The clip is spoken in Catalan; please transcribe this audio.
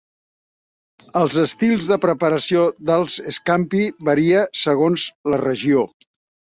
Els estils de preparació dels "scampi" varia segons la regió.